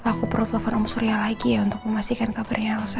aku perlu telepon om surya lagi ya untuk memastikan kabarnya langsung